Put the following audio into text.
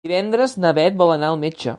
Divendres na Beth vol anar al metge.